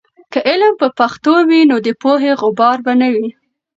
که علم په پښتو وي، نو د پوهې غبار به نه وي.